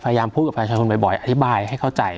พยายามพูดกับประชาชนบ่อยอธิบายให้เข้าใจ